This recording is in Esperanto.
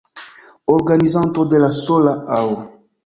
Organizanto de la sola Aŭ.